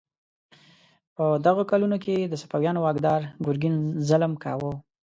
په دغو کلونو کې د صفویانو واکدار ګرګین ظلم کاوه.